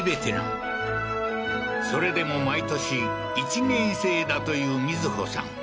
それでも毎年１年生だという瑞穂さん